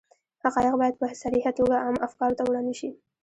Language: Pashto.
حقایق باید په صریحه توګه عامه افکارو ته وړاندې شي.